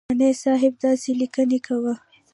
قانع صاحب داسې لیکنې کوه.